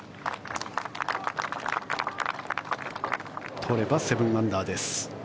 取れば７アンダーです。